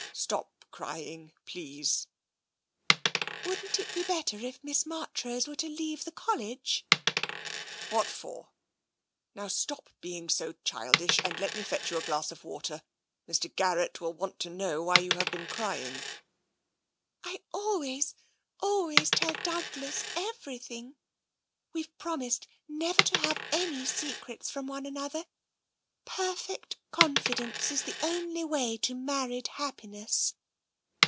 Stop crying, please." " Wouldn't it be better if Miss Marchrose were to leave the Q)llege ?" "What for? Now stop being so childish and let me fetch you a glass of water. Mr. Garrett will want to know why you have been crying." " I always, always tell Douglas everything. We've promised never to have any secrets from one another. Perfect confidence is the only way to married happi ness."